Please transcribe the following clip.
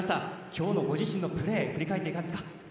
今日のご自身のプレーを振り返って、いかがですか。